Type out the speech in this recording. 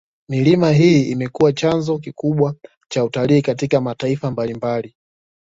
Milima hii imekuwa chanzo kikubwa cha utalii katika mataifa mabalimbali